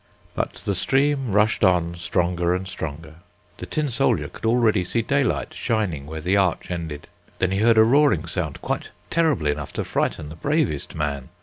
But the stream rushed on stronger and stronger. The tin soldier could already see daylight shining where the arch ended. Then he heard a roaring sound quite terrible enough to frighten the bravest man.